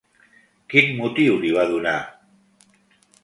Quin motiu li va donar?